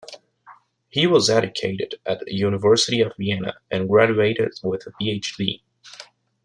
He was educated at the University of Vienna and graduated with a PhD.